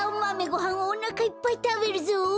ごはんをおなかいっぱいたべるぞ！